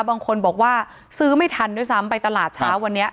บางคนบอกว่าซื้อไม่ทันด้วยซ้ำไปตลาดเช้าวันนี้